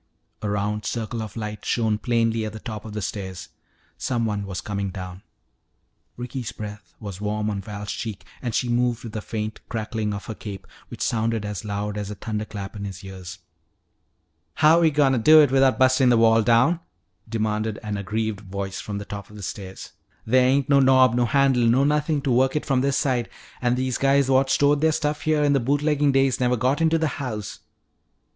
A round circle of light shone plainly at the top of the stairs. Someone was coming down. Ricky's breath was warm on Val's cheek and she moved with a faint crackling of her cape which sounded as loud as a thunderclap in his ears. "How're we gonna do it without bustin' the wall down?" demanded an aggrieved voice from the top of the stairs. "There ain't no knob, no handle, no nothin' to work it from this side. And these guys what stored their stuff here in the boot leggin' days never got into the house."